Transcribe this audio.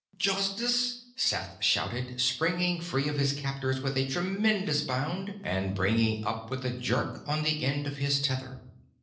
"Justice!" Seth shouted, springing free of his captors with a tremendous bound and bringing up with a jerk on the end of his tether.